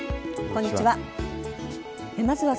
こんにちは。